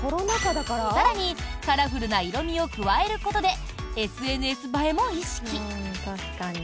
更にカラフルな色味を加えることでＳＮＳ映えも意識。